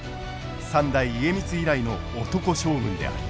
三代家光以来の男将軍である。